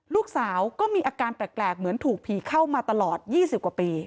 ลูกสาวก็มีอาการแปลกเหมือนถูกผีเข้ามาตลอด๒๐กว่าปี